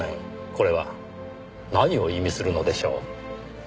これは何を意味するのでしょう。